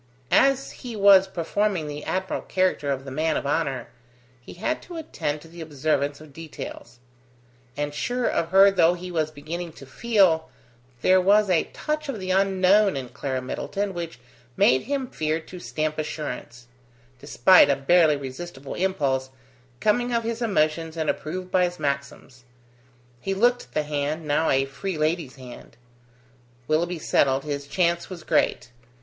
As he was performing the admirable character of the man of honour, he had to attend to the observance of details; and sure of her though he was beginning to feel, there was a touch of the unknown in Clara Middleton which made him fear to stamp assurance; despite a barely resistible impulse, coming of his emotions and approved by his maxims. He looked at the hand, now a free lady's hand. Willoughby settled, his chance was great.